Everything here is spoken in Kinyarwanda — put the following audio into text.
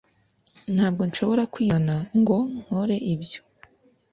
Ntabwo nshobora kwizana ngo nkore ibyo